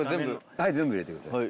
はい全部入れてください。